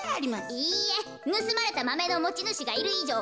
いいえぬすまれたマメのもちぬしがいるいじょう